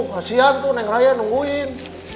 kasihan tuh yang raya nungguin